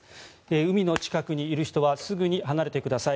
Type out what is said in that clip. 海の近くにいる人はすぐに離れてください。